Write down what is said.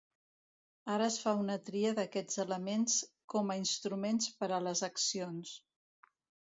Ara es fa una tria d’aquests elements com a instruments per a les accions.